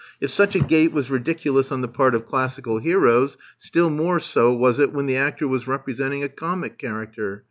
If such a gait was ridiculous on the part of classical heroes, still more so was it when the actor was representing a comic character.